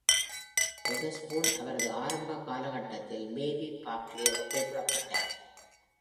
Wetherspoon அவரது ஆரம்ப காலகட்டத்தில் "பேபி பார்க்லி" என்று குறிப்பிடப்பட்டார்.